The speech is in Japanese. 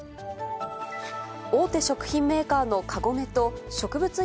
大手食品メーカーのカゴメと、植物